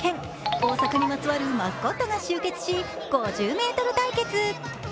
大阪にまつわるマスコットが集結し、５０ｍ対決！